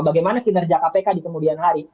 bagaimana kinerja kpk di kemudian hari